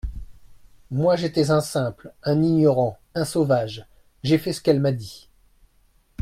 Moi, j'étais un simple, un ignorant, un sauvage ; j'ai fait ce qu'elle m'a dit.